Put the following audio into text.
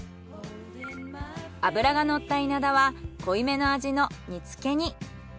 脂がのったイナダは濃いめの味の煮付けに。